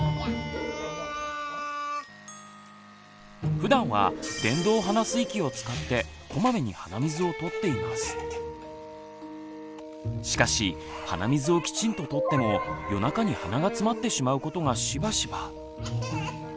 ふだんはしかし鼻水をきちんと取っても夜中に鼻がつまってしまうことがしばしば。